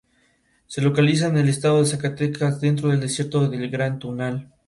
Los datos que provienen del exterior se introducen en el sistema para ser procesados.